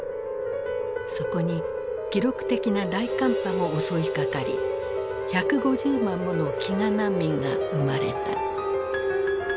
そこに記録的な大寒波も襲いかかり１５０万もの飢餓難民が生まれた。